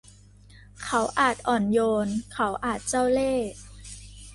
เขาอาจอ่อนโยน เขาอาจเจ้าเลห์